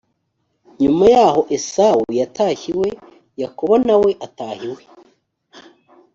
nyuma yaho esawu yatashye iwe yakobo na we ataha iwe